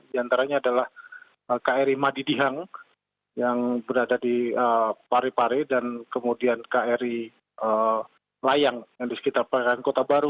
di antaranya adalah kri madi dihang yang berada di parepare dan kemudian kri layang yang di sekitar perairan kota baru